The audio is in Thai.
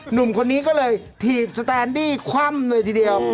หนุ่มคนนี้ก็เลยถีบสแตนดี้คว่ำเลยทีเดียว